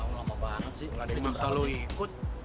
lama banget sih udah gak ada yang bisa lo ikut